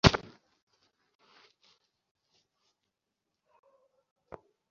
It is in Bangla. দেশের বিভিন্ন ক্রান্তিলগ্নে বিচার বিভাগের যুগোপযোগী রায়ের মাধ্যমে দেশে শান্তিশৃঙ্খলা প্রতিষ্ঠিত হয়।